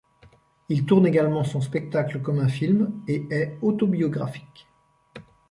Il tourne également son spectacle comme un film, et est autobiographique.